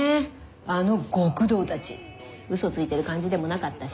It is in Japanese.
あの極道たちうそついてる感じでもなかったし。